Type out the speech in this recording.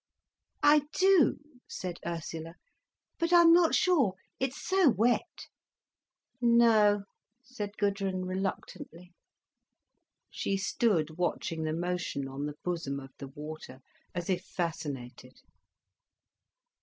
"I do," said Ursula. "But I'm not sure—it's so wet." "No," said Gudrun, reluctantly. She stood watching the motion on the bosom of the water, as if fascinated.